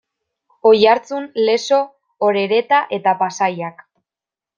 Oiartzun, Lezo, Orereta eta Pasaiak.